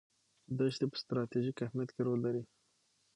دښتې په ستراتیژیک اهمیت کې رول لري.